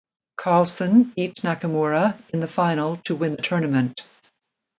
Carlsen beat Nakamura in the final to win the tournament.